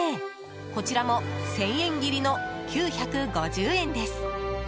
こちらも１０００円切りの９５０円です。